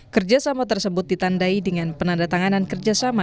kerjasama tersebut ditandai dengan penandatanganan kerjasama